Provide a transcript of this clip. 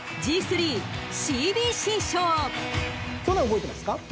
去年覚えてますか？